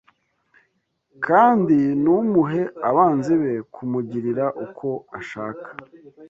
Kandi ntumuhe abanzi be kumugirira uko ashaka